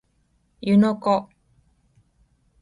湯ノ湖